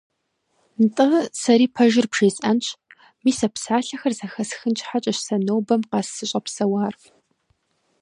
– НтӀэ, сэри пэжыр бжесӀэнщ: мис а псалъэхэр зэхэсхын щхьэкӀэщ сэ нобэм къэс сыщӀэпсэуар.